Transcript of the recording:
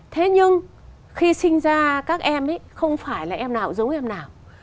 thế nhưng khi sinh ra các em ấy không phải là em nào giống em nào